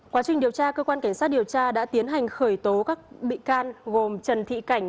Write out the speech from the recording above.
quá trình điều tra cơ quan cảnh sát điều tra đã tiến hành khởi tố các bị can gồm trần thị cảnh